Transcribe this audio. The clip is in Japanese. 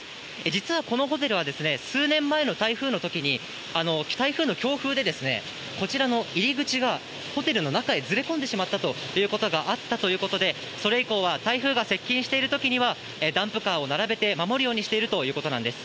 実はこのホテルは、数年前の台風のときに、台風の強風で、こちらの入り口がホテルの中へずれ込んでしまったということがあったということで、それ以降は台風が接近しているときにはダンプカーを並べて、守るようにしているということなんです。